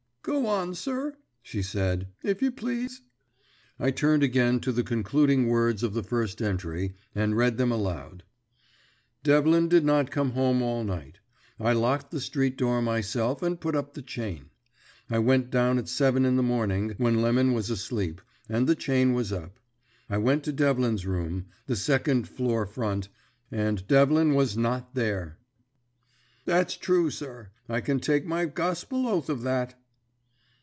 "Go on, sir," she said, "if you please." I turned again to the concluding words of the first entry, and read them aloud: "Devlin did not come home all night. I locked the street door myself, and put up the chain. I went down at seven in the morning, when Lemon was asleep, and the chain was up. I went to Devlin's room, the second floor front, and Devlin was not there!" "That's true, sir. I can take my gospel oath of that."